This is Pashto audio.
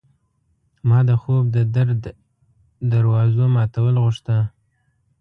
ما د خوب د در د دوازو ماتول غوښته